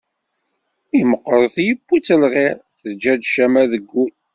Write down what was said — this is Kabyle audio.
Mi meqqret yewwi-tt lɣir, teǧǧa-d ccama deg ul.